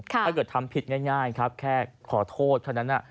ถ้าเกิดทำผิดง่ายครับแค่ขอโทษเท่านั้น